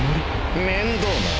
面倒な。